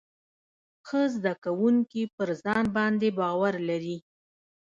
ښه زده کوونکي پر ځان باندې باور لري.